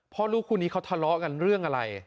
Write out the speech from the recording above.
พ่อลูกคู่นี้เขาทะเลาะกันเรื่องอะไร